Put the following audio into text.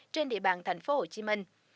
trên địa bàn thành phố hồ chí minh